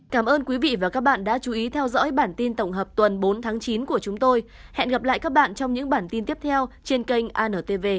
cơ quan cảnh sát điều tra công an tỉnh đã khởi tố bốn mươi năm bị can